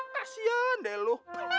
kasian deh lo